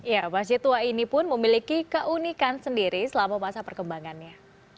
ya masjid tua ini pun memiliki keunikan sendiri selama masa perkembangannya